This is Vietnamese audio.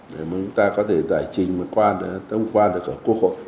để chúng ta có thể giải trình và tâm quan được ở quốc hội